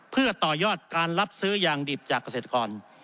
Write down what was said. เพื่อต่อยอดการรับซื้อยางดิบจากเกษตรกร